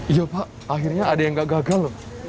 iya pak akhirnya ada yang nggak gagal